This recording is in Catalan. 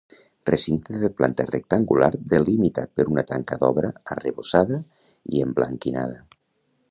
Recinte de planta rectangular delimitat per una tanca d'obra arrebossada i emblanquinada.